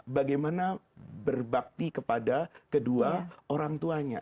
bagaimana berbakti kepada kedua orang tuanya